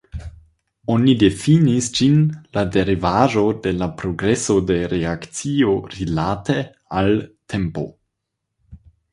Oni difinis ĝin la derivaĵo de la progreso de reakcio rilate al tempo.